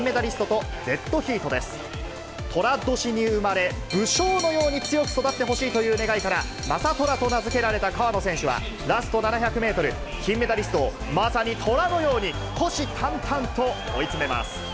とら年に生まれ、武将のように強く育ってほしいという願いから、将虎と名付けられた川野選手は、ラスト７００メートル、金メダリストをまさに虎のように、虎視眈々と追い詰めます。